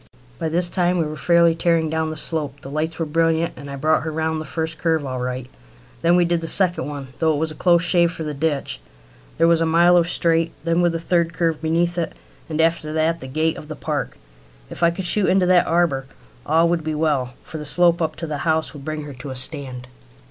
By this time we were fairly tearing down the slope. The lights were brilliant, and I brought her round the first curve all right. Then we did the second one, though it was a close shave for the ditch. There was a mile of straight then with the third curve beneath it, and after that the gate of the park. If I could shoot into that harbour all would be well, for the slope up to the house would bring her to a stand.